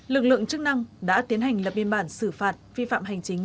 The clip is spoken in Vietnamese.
lực lượng chức năng đã tiến hành lập biên bản xử phạt vi phạm hành chính